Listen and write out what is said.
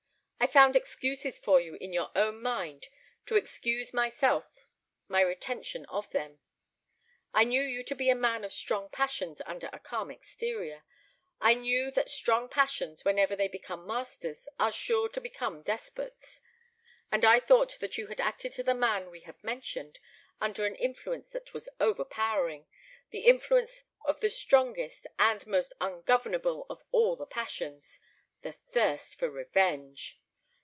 I found excuses for you in your own mind to excuse to myself my retention of them. I knew you to be a man of strong passions under a calm exterior; I knew that strong passions, whenever they become masters, are sure to become despots; and I thought that you had acted to the man we have mentioned, under an influence that was overpowering the influence of the strongest and most ungovernable of all the passions: the thirst for revenge."